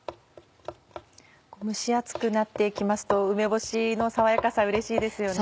蒸し暑くなって来ますと梅干しの爽やかさうれしいですよね。